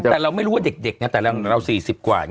แต่เราไม่รู้ว่าเด็กนะแต่เรา๔๐กว่า